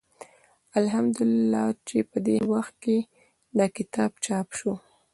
الحمد لله چې په دې وخت کې دا کتاب چاپ شو.